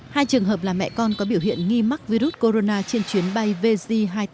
hai trường hợp là mẹ con có biểu hiện nghi mắc virus corona trên chuyến bay vj hai trăm tám mươi